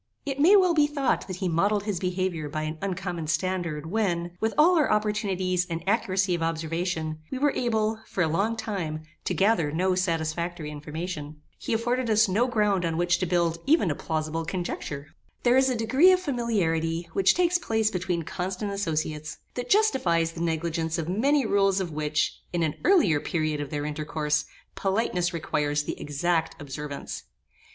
It may well be thought that he modelled his behaviour by an uncommon standard, when, with all our opportunities and accuracy of observation, we were able, for a long time, to gather no satisfactory information. He afforded us no ground on which to build even a plausible conjecture. There is a degree of familiarity which takes place between constant associates, that justifies the negligence of many rules of which, in an earlier period of their intercourse, politeness requires the exact observance.